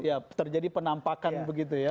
ya terjadi penampakan begitu ya